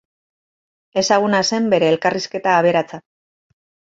Ezaguna zen bere elkarrizketa aberatsa.